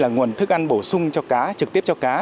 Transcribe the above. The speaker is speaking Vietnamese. nguồn thức ăn bổ sung cho cá trực tiếp cho cá